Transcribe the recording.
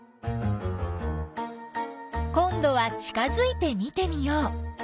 こんどは近づいて見てみよう。